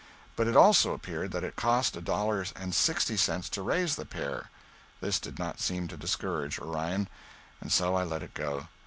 But it also appeared that it cost a dollar and sixty cents to raise the pair. This did not seem to discourage Orion, and so I let it go.